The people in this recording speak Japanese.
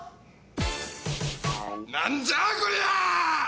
何じゃこりゃあ！